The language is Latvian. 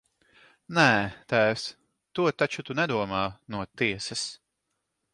Nē, tēvs, to taču tu nedomā no tiesas!